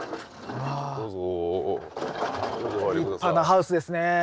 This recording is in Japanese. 立派なハウスですね。